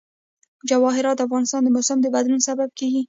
جواهرات د افغانستان د موسم د بدلون سبب کېږي.